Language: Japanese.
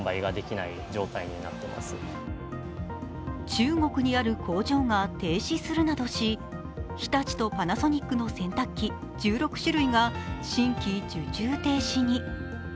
中国にある工場が停止するなどし、日立とパナソニックの洗濯機、１６種類が新規受注停止に。